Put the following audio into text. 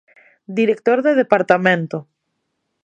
Director de departamento.